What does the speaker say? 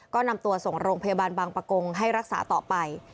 ก็นำตัวส่งโรงพยาบาลบางประกงให้รักษาต่อไป